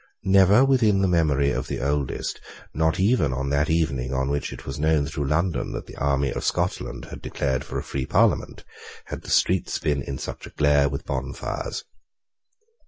Never within the memory of the oldest, not even on that evening on which it was known through London that the army of Scotland had declared for a free Parliament, had the streets been in such a glare with bonfires.